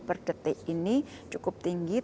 per detik ini cukup tinggi